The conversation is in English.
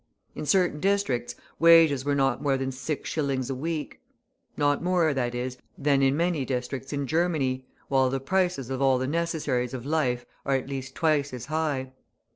In certain districts wages were not more than six shillings a week; not more, that is, that in many districts in Germany, while the prices of all the necessaries of life are at least twice as high.